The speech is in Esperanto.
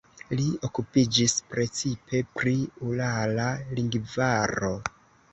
Li okupiĝis precipe pri urala lingvaro.